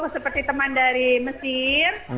seperti teman dari mesir